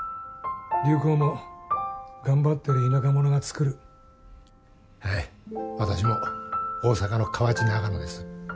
流行も頑張ってる田舎者がつくるはい私も大阪の河内長野です